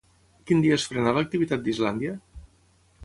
Quin dia es frenà l'activitat d'Islàndia?